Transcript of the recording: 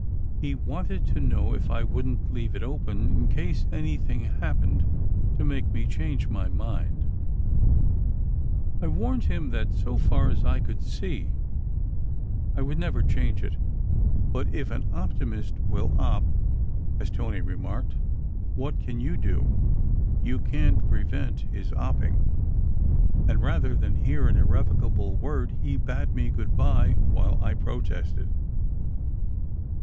He wanted to know if 76 SECRET HISTORY I wouldn t "leave it open," in case anything happened to make me change my mind. I warned him that, so far as I could see, I would never change it; but if an "optimist will op" as Tony remarked what can you do? You can t prevent his opping, and rather than hear an irrevocable word he bade me good bye while I protested.